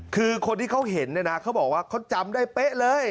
คือคนที่เขาเห็นเนี่ยนะเขาบอกว่าเขาจำได้เป๊ะเลย